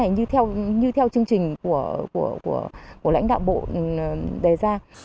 như theo chương trình của lãnh đạo bộ đề ra